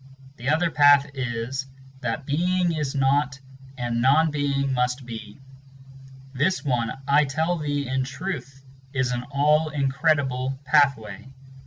Th' other path is: That Being is not, and Non Being must be; Parmenides. This one, I tell thee in truth, is an all incredible pathway.